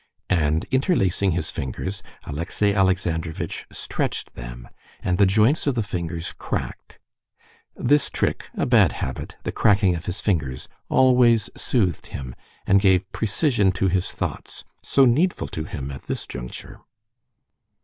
And, interlacing his fingers, Alexey Alexandrovitch stretched them, and the joints of the fingers cracked. This trick, a bad habit, the cracking of his fingers, always soothed him, and gave precision to his thoughts, so needful to him at this juncture.